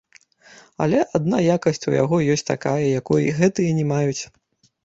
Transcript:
Але адна якасць у яго ёсць такая, якой гэтыя не маюць.